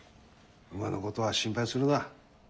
馬のことは心配するな。